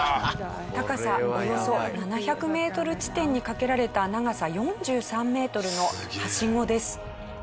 高さおよそ７００メートル地点に架けられた長さ４３メートルのハシゴです。